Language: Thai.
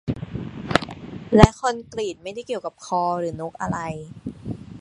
และคอนกรีต ไม่ได้เกี่ยวกับคอ หรือนกอะไร